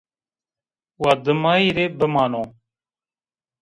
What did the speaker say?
Wa dimayî rê bimano